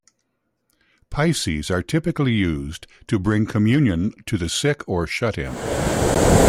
Pyxes are typically used to bring communion to the sick or shut-in.